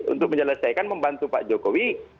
untuk menyelesaikan membantu pak jokowi